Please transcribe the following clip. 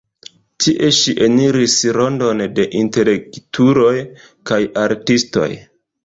Tie ŝi eniris rondon de intelektuloj kaj artistoj.